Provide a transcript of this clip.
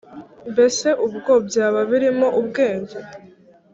mbese ubwo byaba birimo ubwenge